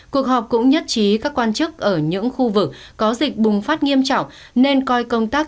cuộc họp cũng nhất trí các quan chức ở những khu vực có dịch bùng phát nghiêm trọng nên coi công tác